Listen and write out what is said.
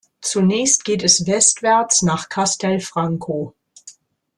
Zunächst geht es westwärts nach Castelfranco.